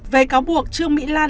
về cáo buộc trương mỹ lan